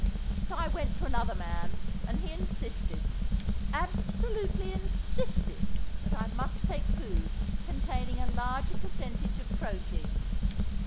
So I went to another man, and he insisted—absolutely insisted that I must take food containing a larger percentage of proteids.